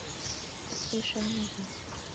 Ӱшаныза...